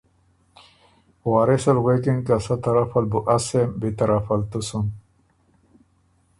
وارث ال غوېکِن که سۀ طرف ال بُو از سېم، بی طرف ال تُو سُن